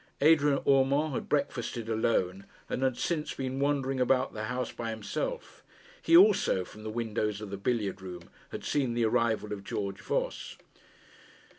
Adrian Urmand had breakfasted alone, and had since been wandering about the house by himself. He also, from the windows of the billiard room, had seen the arrival of George Voss.